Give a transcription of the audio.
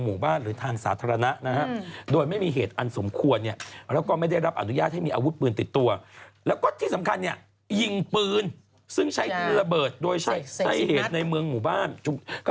ก็คือเอาง่ายไปอิงวัด๑๐นัทนั่นแหละ